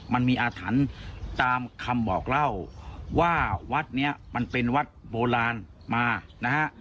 มันมีอาถรรพ์ตามคำบอกเล่าว่าวัดนี้มันเป็นวัดโบราณมานะฮะ